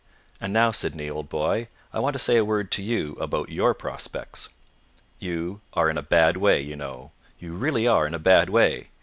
And now, Sydney, old boy, I want to say a word to you about your prospects. You are in a bad way, you know; you really are in a bad way.